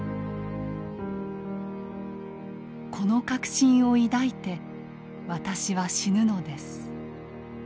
「この確信を抱いて私は死ぬのです。